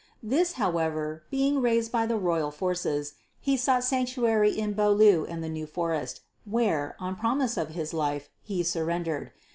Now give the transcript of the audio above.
This however being raised by the Royal forces, he sought sanctuary in Beaulieu in the New Forest where, on promise of his life, he surrendered.